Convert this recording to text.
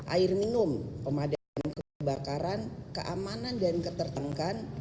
air minum pemadaman kebakaran keamanan dan ketertengkangan